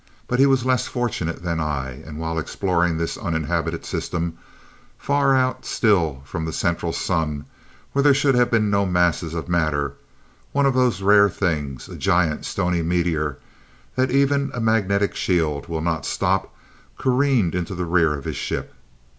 But he was less fortunate than I, and while exploring this uninhabited system, far out still from the central sun, where there should have been no masses of matter, one of those rare things, a giant stony meteor that even a magnetic shield will not stop careened into the rear of his ship.